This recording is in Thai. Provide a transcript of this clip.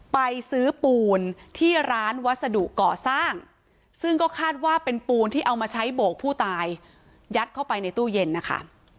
ไปซื้อปูนที่ร้านวัสดุก่อสร้างซึ่งก็คาดว่าเป็นปูนที่เอามาใช้โบกผู้ตายยัดเข้าไปในตู้เย็นนะคะ